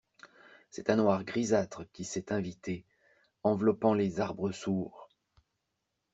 C’est un noir grisâtre qui s’est invité, enveloppant les arbres sourds.